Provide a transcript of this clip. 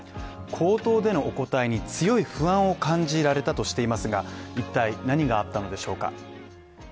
口頭でのお答えに強い不安を感じられたとしていますが一体、何があったのでしょうか。